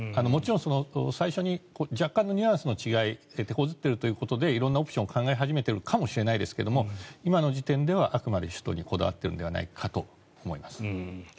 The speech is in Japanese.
もちろん最初に若干のニュアンスの違い手こずっているということで色んなオプションを考え始めていると思いますが今の時点ではあくまで首都にこだわっているのではと思います。